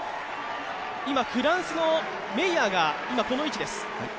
今、フランスのメイヤーがこの位置です。